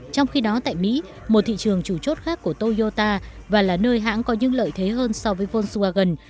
trong khi đó tại mỹ một thị trường chủ chốt khác của toyota và là nơi hãng có những lợi thế hơn so với volagan